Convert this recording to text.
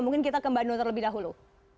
mungkin kita kembali nonton lebih dahulu